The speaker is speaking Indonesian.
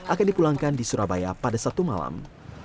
akan dipulangkan di surabaya pada satu malam